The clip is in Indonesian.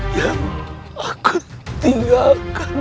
yang aku tinggalkan